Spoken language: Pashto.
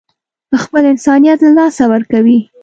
خپل انسانيت له لاسه ورکوي.